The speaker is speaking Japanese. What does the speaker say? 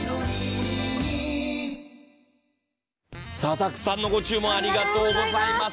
たくさんのご注文ありがとうございます。